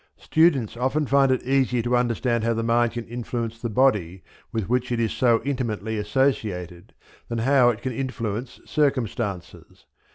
Students often find it easier to understand how the mind can influence the body with which it is so intimately associated, than how it can influence circumstances.